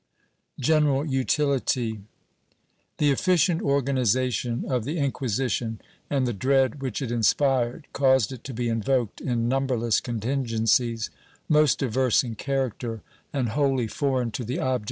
^ General Utility. The efficient organization of the Inquisition and the dread which it inspired caused it to be invoked in numberless contingencies, most diverse in character and wholly foreign to the objects of its * Archive de Simancas Inq.